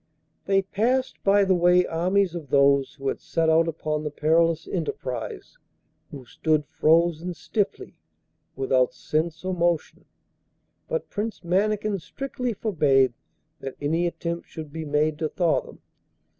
They passed by the way armies of those who had set out upon the perilous enterprise, who stood frozen stiffly, without sense or motion; but Prince Mannikin strictly forbade that any attempt should be made to thaw them.